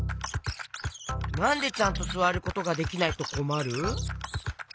なんでちゃんとすわることができないとこまる？